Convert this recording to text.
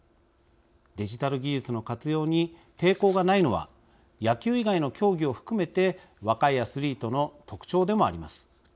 デジタル技術の活用に抵抗がないのは野球以外の競技を含めて若いアスリートの特徴でもあります。